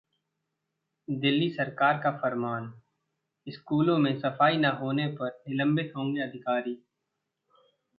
दिल्ली सरकार का फरमान- स्कूलों में सफाई न होने पर निलंबित होंगे अधिकारी